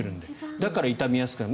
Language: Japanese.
だから傷みやすくなる。